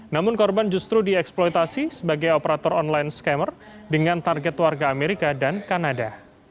namun korban justru dieksploitasi sebagai operator online scammer dengan target warga amerika dan kanada